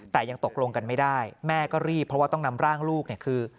แต่ยังตกลงกันไม่ได้แม่ก็รีบเพราะว่าต้องนำร่างลูกเนี่ยคือ